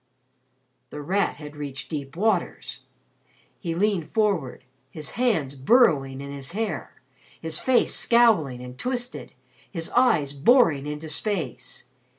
The Rat had reached deep waters. He leaned forward his hands burrowing in his hair, his face scowling and twisted, his eyes boring into space.